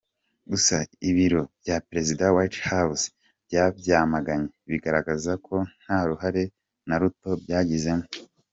Gusa ibiro bya Perezida ‘White House’ byabyamaganye bigaragaza ko nta ruhare na ruto byagizemo.